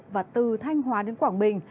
và từ thanh hóa đến quảng bình